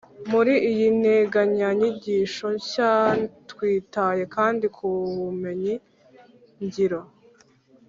muri iyi nteganyanyigisho nshya twitaye kandi ku bumenyi ngiro